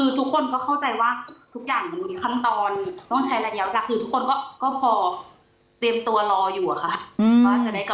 ทุกคนก็เข้าใจว่าทุกอย่างมันมีขั้นตอนต้องใช้ระยะเวลาคือทุกคนก็พอเตรียมตัวรออยู่อะค่ะ